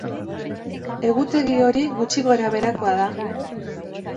Egutegi hori gutxi gora beherakoa da.